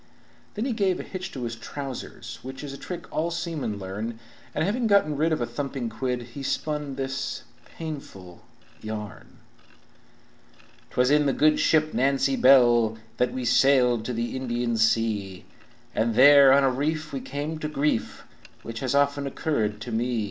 Then he gave a hitch to his trousers, which Is a trick all seamen larn, And having got rid of a thumping quid, He spun this painful yarn: "'Twas in the good ship Nancy Bell That we sailed to the Indian sea, And there on a reef we come to grief, Which has often occurred to me.